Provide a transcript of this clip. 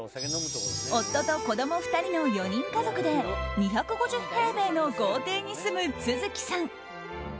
夫と子供２人の４人家族で２５０平米の豪邸に住む續さん。